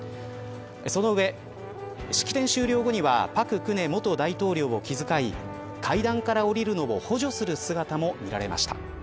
その上、式典終了後には朴槿恵元大統領を気遣い階段からおりるのを補助する姿も見られました。